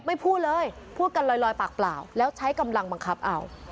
พูดเลยพูดกันลอยปากเปล่าแล้วใช้กำลังบังคับเอา